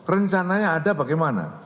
rencananya ada bagaimana